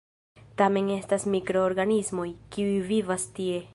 Tamen estas mikroorganismoj, kiu vivas tie.